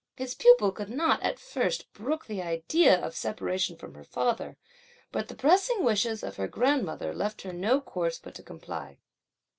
His pupil could not, at first, brook the idea, of a separation from her father, but the pressing wishes of her grandmother left her no course (but to comply).